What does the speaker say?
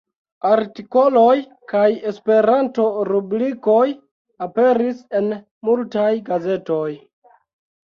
Artikoloj kaj Esperanto-rubrikoj aperis en multaj gazetoj.